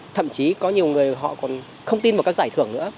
thậm chí có nhiều người họ còn không tin vào các giải thưởng nữa